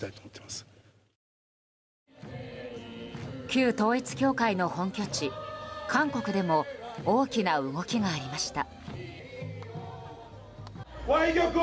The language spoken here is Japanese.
旧統一教会の本拠地・韓国でも大きな動きがありました。